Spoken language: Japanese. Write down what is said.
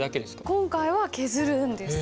今回は削るんです。